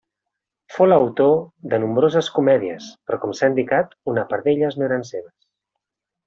Fou l'autor de nombroses comèdies, però com s'ha indicat una part d'elles no eren seves.